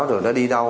rồi nó đi đâu